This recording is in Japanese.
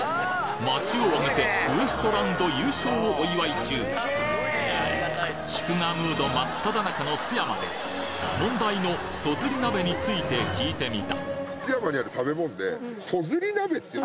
街をあげてウエストランド優勝をお祝い中祝賀ムード真っ只中の津山で問題のそずり鍋について聞いてみたお！